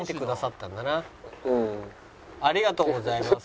ありがとうございます。